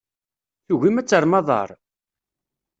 Tugim ad terrem aḍar?